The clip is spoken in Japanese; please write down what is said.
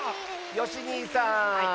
よしにいさん！